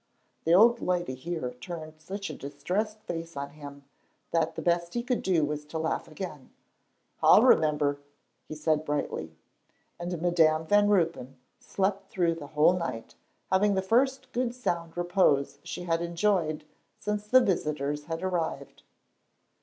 The old lady here turned such a distressed face on him that the best he could do was to laugh again. "I'll remember," he said brightly. And Madam Van Ruypen slept through the whole night, having the first good sound repose she had enjoyed since the visitors had arrived.